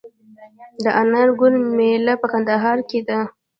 د انار ګل میله په کندهار کې ده.